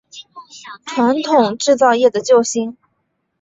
传统制造业的救星